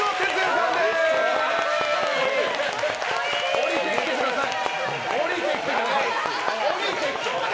下りてきてください！